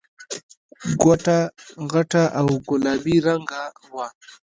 کوټه غټه او گلابي رنګه وه.